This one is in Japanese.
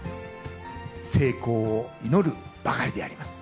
成功を祈るばかりであります。